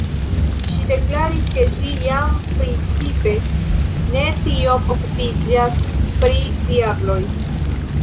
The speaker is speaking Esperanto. Ŝi deklamis, ke ŝi jam principe ne tiom okupiĝas pri diabloj.